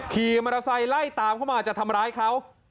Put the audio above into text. ขี่มอเตอร์ไซค์ไล่ตามเข้ามาจะทำร้ายเขา